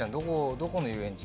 どこの遊園地？